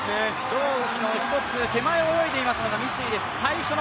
張雨霏の１つ手前を泳いでいるのが三井です。